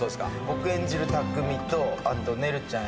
僕演じる匠とねるちゃん